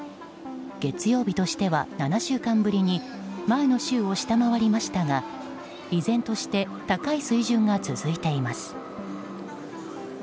月曜日としては７週間ぶりに前の週を下回りましたが依然として高い水準が続いています。